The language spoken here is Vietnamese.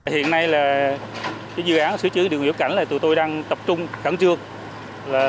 hiện nay dự án sử trữ đường hiệu cảnh là tụi tôi đang tập trung khẳng trương